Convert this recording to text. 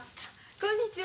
こんにちは。